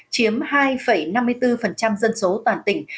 chiếm hai năm mươi bốn dân số toàn tỉnh